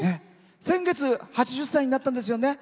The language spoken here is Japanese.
先月８０歳になったんですよね。